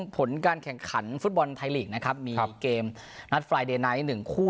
ผลการแข่งขันฟุตบอลไทยลีกนะครับมีเกมนัดไฟเดย์ไนท์๑คู่